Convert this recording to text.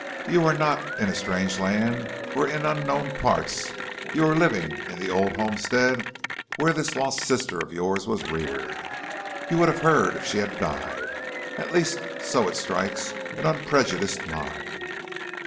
You are not in a strange land or in unknown parts; you are living in the old homestead where this lost sister of yours was reared. You would have heard if she had died, at least so it strikes an unprejudiced mind."